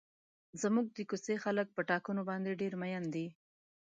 زموږ د کوڅې خلک په ټاکنو باندې ډېر مین دي.